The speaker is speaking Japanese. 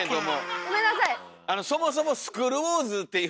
ごめんなさい！